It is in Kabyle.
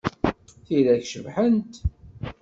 Tira-k cebḥent!